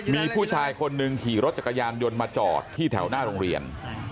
มีผู้ชายคนหนึ่งขี่รถจักรยานยนต์มาจอดที่แถวหน้าโรงเรียน